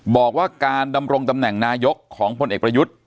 บอกว่าการดำรงตำแหน่งนายกของพลเอกประยุทธ์